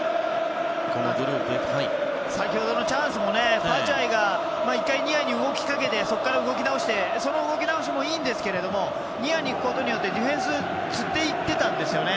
先ほどのチャンスもバチュアイが、１回ニアに動きかけてそこから動き直してその動き直しもいいんですけれどもニアに行くことによってディフェンスをつっていってたんですよね。